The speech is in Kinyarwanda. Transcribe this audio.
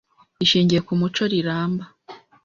rishingiye ku muco riramba.